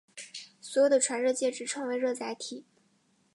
所用的传热介质称为热载体。